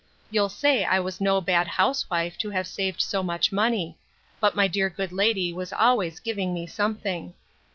You'll say I was no bad housewife to have saved so much money; but my dear good lady was always giving me something.